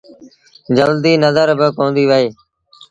جلديٚ نزر باڪونديٚ وهي۔